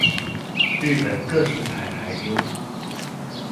日本個性派俳優